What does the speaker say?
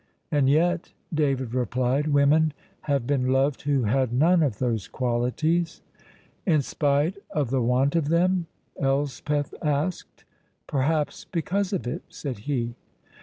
"And yet," David replied, "women have been loved who had none of those qualities." "In spite of the want of them?" Elspeth asked. "Perhaps because of it," said he.